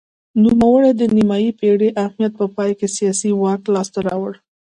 نوموړي د نیمايي پېړۍ امنیت په پای کې سیاسي واک لاسته راوړ.